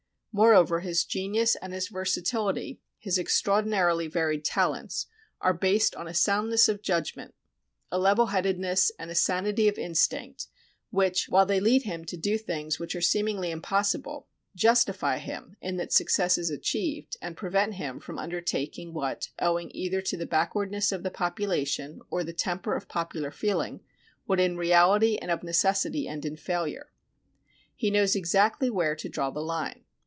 Moreover, his genius and his versatility, his extraordi narily varied talents, are based on a soundness of judg 107 RUSSIA ment, a level headedness and a sanity of instinct which, while they lead him to do things which are seemingly impossible, justify him, in that success is achieved, and prevent him from undertaking what, owing either to the backwardness of the population or the temper of popular feeling, would in reality and of necessity end in failure. He knows exactly where to draw the line.